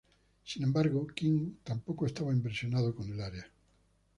Sin embargo, King tampoco estaba impresionado con el área.